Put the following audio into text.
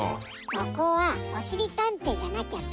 そこはおしりたんていじゃなきゃダメじゃない。